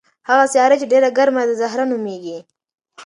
هغه سیاره چې ډېره ګرمه ده زهره نومیږي.